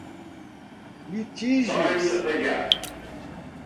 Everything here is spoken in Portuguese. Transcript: litígios